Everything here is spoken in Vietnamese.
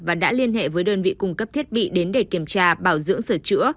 và đã liên hệ với đơn vị cung cấp thiết bị đến để kiểm tra bảo dưỡng sửa chữa